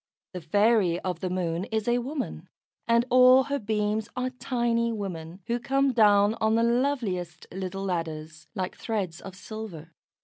The fairy of the Moon is a woman, and all her beams are tiny women, who come down on the loveliest little ladders, like threads of silver.